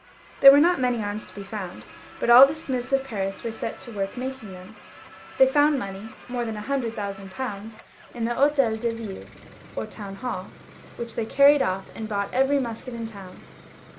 There were not many arms to be found, but all the smiths of Paris were set to work making them. They found money, more than a hundred thousand pounds, in the H6tel de ViUe, or Town HaU, which they carried off, and bought every musket in the town.